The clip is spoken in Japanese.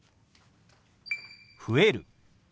「増える」。